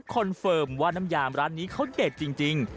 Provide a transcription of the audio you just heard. เฟิร์มว่าน้ำยามร้านนี้เขาเด็ดจริง